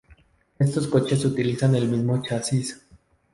Estos coches utilizan el mismo chasis.